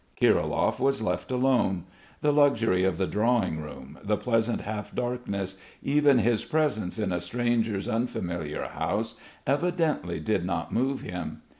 Kirilov was left alone. The luxury of the drawing room, the pleasant half darkness, even his presence in a stranger's unfamiliar house evidently did not move him.